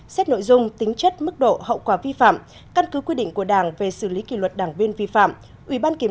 xét nội dung tính chất mức độ hậu quả vi phạm căn cứ quy định của đảng về xử lý kỷ luật đảng viên vi phạm